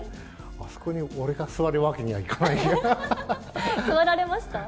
あそこに俺が座るわけにはい座られました？